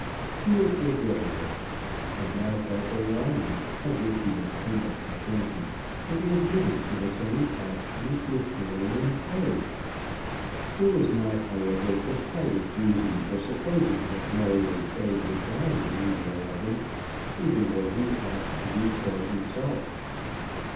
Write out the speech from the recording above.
He was gregarious, and now felt a longing, of which he was almost ashamed, to be admitted to the same pastures with Marion Fay. There was not, however, the slightest reason for supposing that Marion Fay would dine at No. 11, even were he asked to do so himself.